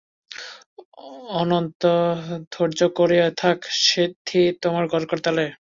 অনন্ত ধৈর্য ধরিয়া থাক, সিদ্ধি তোমার করতলে।